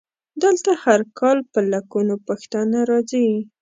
دلته هر کال په لکونو پښتانه راځي.